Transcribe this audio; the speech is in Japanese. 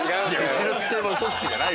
うちの父親もウソつきじゃないわ。